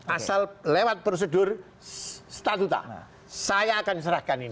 asal lewat prosedur statuta saya akan serahkan ini